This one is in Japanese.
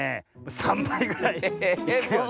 ３ばいぐらいいくよね。